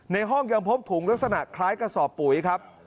ห้องยังพบถุงลักษณะคล้ายกระสอบปุ๋ยครับ